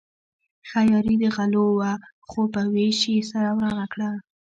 ښه یاري د غلو وه خو په وېش يې سره ورانه کړه.